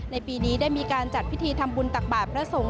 ในปีนี้ได้มีการจัดพิธีทำบุญตักบาทพระสงฆ